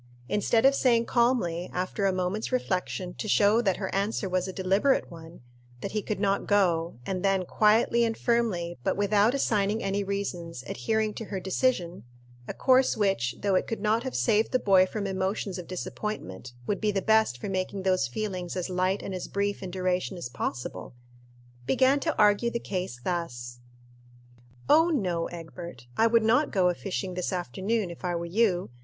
Instead of saying calmly, after a moment's reflection, to show that her answer was a deliberate one, that he could not go, and then quietly and firmly, but without assigning any reasons, adhering to her decision a course which, though it could not have saved the boy from emotions of disappointment, would be the best for making those feelings as light and as brief in duration as possible began to argue the case thus; "Oh no, Egbert, I would not go a fishing this afternoon, if I were you.